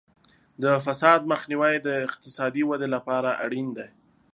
د فساد مخنیوی د اقتصادي ودې لپاره اړین دی.